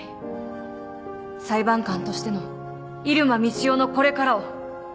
裁判官としての入間みちおのこれからを。